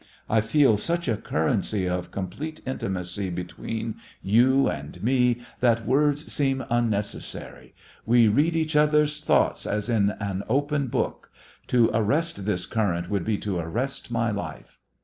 I feel such a currency of complete intimacy between you and me that words seem unnecessary. We read each other's thoughts as in an open book. To arrest this current would be to arrest my life.